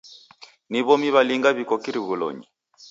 Ni w'omi w'alinga w'iko kirughilonyi?